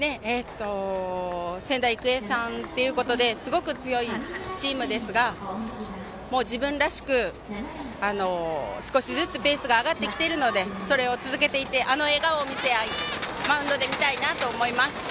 仙台育英さんっていうことですごい強いチームですが自分らしく、少しずつペースが上がってきているのでそれを続けていってあの笑顔をマウンドで見たいなと思います。